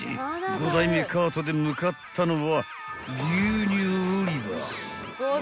［５台目カートで向かったのは］